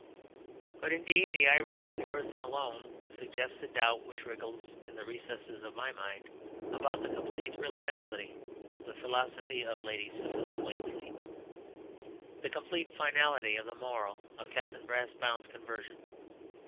But indeed the Irish comparison alone suggests a doubt which wriggles in the recesses of my mind about the complete reliability of the philosophy of Lady Cicely Waynefleet, the complete finality of the moral of Captain Brassbound's Conversion.